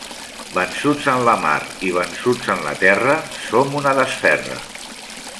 Vençuts en la mar i vençuts en la terra, som una desferra.